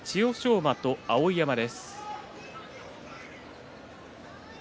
馬と碧山です。